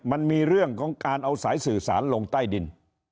มันมีเรื่องของการเอาสายสื่อสารลงใต้ดิน